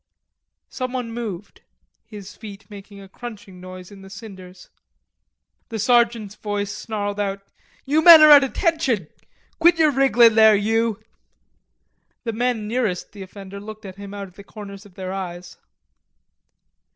Someone moved, his feet making a crunching noise in the cinders. The sergeant's voice snarled out: "You men are at attention. Quit yer wrigglin' there, you!" The men nearest the offender looked at him out of the corners of their eyes.